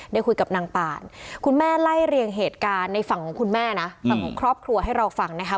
ได้คุยกับนางป่านคุณแม่ไล่เรียงเหตุการณ์ในฝั่งของคุณแม่นะฝั่งของครอบครัวให้เราฟังนะคะ